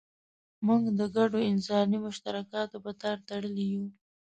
موږ د ګډو انساني مشترکاتو په تار تړلي یو.